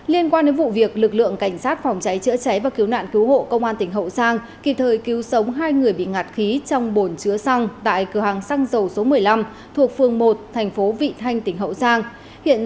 là điện ngay cho bệnh viện